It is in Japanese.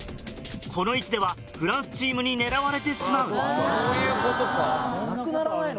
この位置ではフランスチームに狙われてしまう。